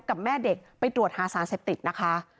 กับแม่เด็กไปตรวจหาสารเสพติดนะคะ